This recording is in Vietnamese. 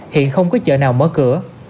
hiện không có chợ nào mở cửa